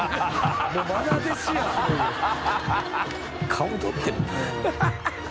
顔撮ってる